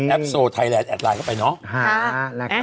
แอปโซไทแรนด์แอดไลน์เข้าไปเนาะ